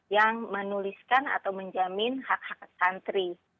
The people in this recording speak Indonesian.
yang menuliskan atau menjamin hak hak santri